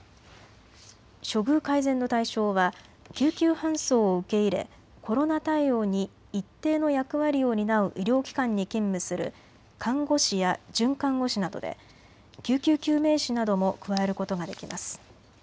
処遇改善の対象は救急搬送を受け入れコロナ対応に一定の役割を担う医療機関に勤務する看護師や准看護師などで救急救命士なども加えることができます。